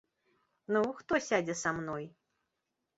Ну, хто сядзе са мной?